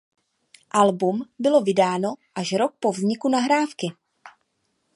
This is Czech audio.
Album bylo vydáno až rok po vzniku nahrávky.